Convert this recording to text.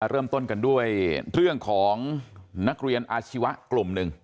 เริ่มต้นกันด้วยเรื่องของนักเรียนอาชีวะกลุ่มหนึ่ง